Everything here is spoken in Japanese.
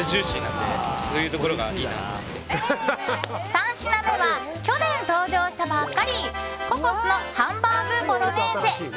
３品目は去年登場したばかりココスのハンバーグボロネーゼ。